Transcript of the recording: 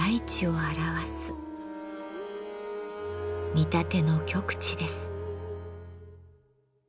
「見立て」の極致です。